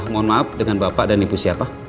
mohon maaf dengan bapak dan ibu siapa